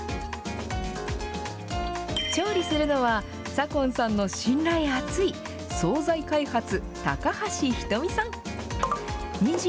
調理するのは、左今さんの信頼あつい、総菜開発、高橋瞳さん。